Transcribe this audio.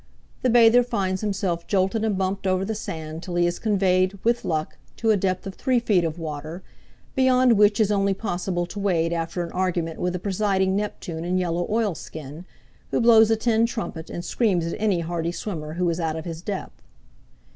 the bather finds himself jolted and bumped over the sane till he is conveyed, with luck, to a depth of three feet of water, beyond which is only possible to wade after an argument with a presiding Neptune in yellow oilskin, who blows a tin trumpet and screams at any hardy swimmer who is out of his depth.